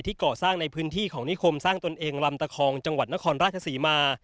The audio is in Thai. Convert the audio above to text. ก่อสร้างในพื้นที่ของนิคมสร้างตนเองลำตะคองจังหวัดนครราชศรีมา